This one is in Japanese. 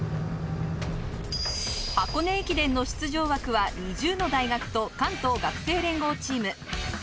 箱根駅伝の出場枠は２０の大学と関東学生連合チーム。